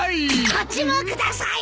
こっちもください！